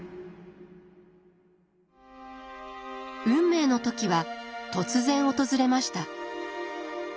運命の時は突然訪れました。